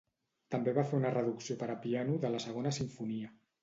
També va fer una reducció per a piano de la segona simfonia.